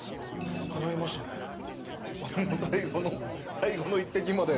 最後の一滴まで。